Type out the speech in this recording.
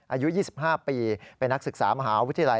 อายุ๒๕ปีเป็นนักศึกษามหาวิทยาลัย